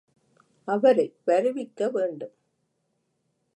அவரை வருவிக்சு வேண்டும்.